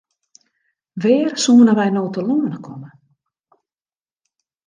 Wêr soenen we no telâne komme?